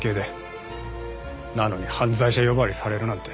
なのに犯罪者呼ばわりされるなんて。